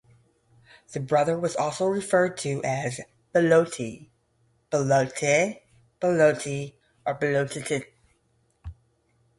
The brother was also referred to as "Belloti", "Belloty", "Beloty", or "Bellottit".